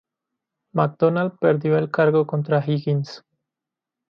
McDonald perdió el cargo contra Higgins.